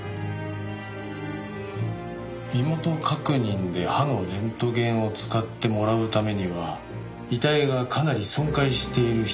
身元確認で歯のレントゲンを使ってもらうためには遺体がかなり損壊している必要があった。